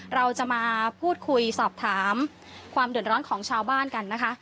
เราจะมาพูดคุยสอบถามความเดือดร้อนของชาวบ้านกันนะคะ